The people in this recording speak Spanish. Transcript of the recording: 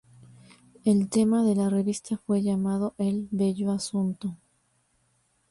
El tema de la revista fue llamado el "bello asunto".